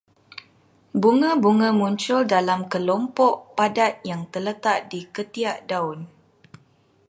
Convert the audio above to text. Bunga-bunga muncul dalam kelompok padat yang terletak di ketiak daun